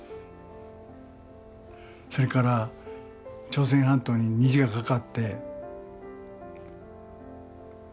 それから朝鮮半島に虹がかかって。